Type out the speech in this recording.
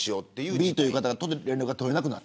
Ｂという方が連絡が取れなくなった。